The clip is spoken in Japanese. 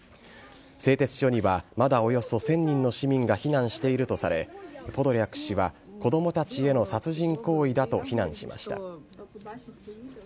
製鉄所にはまだ、およそ１０００人の市民が避難しているとされポドリャク氏は子供たちへの殺人行為だと非難しました。